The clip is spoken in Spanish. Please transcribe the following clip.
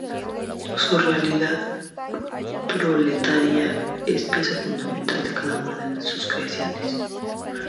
Su realidad proletaria es pieza fundamental de cada una de sus creaciones.